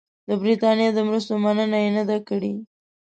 د برټانیې د مرستو مننه یې نه ده کړې.